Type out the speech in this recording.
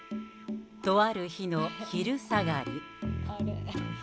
とある日の昼下がり。